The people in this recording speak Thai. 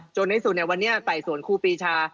ในสุดวันนี้ไต่สวนครูปีชา